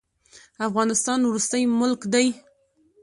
افغانستان وروستی ملک دی.